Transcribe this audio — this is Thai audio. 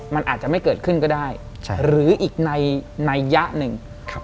มันอาจจะไม่เกิดขึ้นก็ได้หรืออีกในยะหนึ่ง